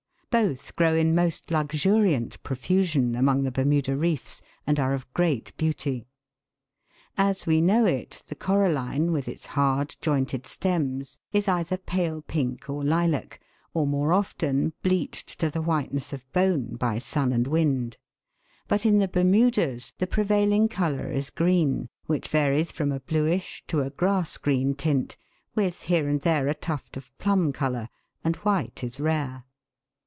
Both grow in most luxuriant profusion among the Bermuda reefs, and are of ^reat beauty. As we know it, the coralline, with its hard, jointed stems, is either pale pink or lilac, or more often bleached to the whiteness of bone by sun and wind ; but in the Bermudas the prevailing colour is green, which varies from a bluish to a grass green tint, with here and there a tuft of plum colour, and white is rare.